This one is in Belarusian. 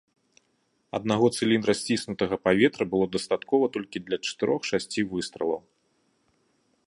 Аднаго цыліндра сціснутага паветра было дастаткова толькі для чатырох-шасці выстралаў.